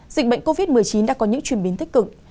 dịch bệnh covid một mươi chín đã có những chuyển biến tích cực